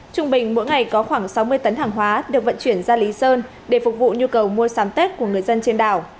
trung bình mỗi ngày có khoảng sáu mươi tấn hàng hóa được vận chuyển ra lý sơn để phục vụ nhu cầu mua sắm tết của người dân trên đảo